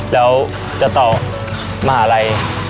แล้วจะต่อมหาลัย